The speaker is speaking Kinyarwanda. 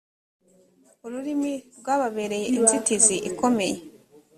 ururimi rwababereye inzitizi ikomeye